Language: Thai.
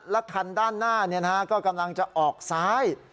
และคันด้านหน้าก็กำลังจะออกซ้าย